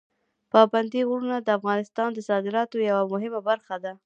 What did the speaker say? پابندي غرونه د افغانستان د صادراتو یوه مهمه برخه ده.